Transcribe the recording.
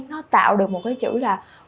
nó tạo được một cái chữ là